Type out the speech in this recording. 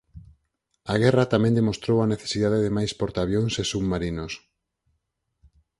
A guerra tamén demostrou a necesidade de máis portaavións e submarinos.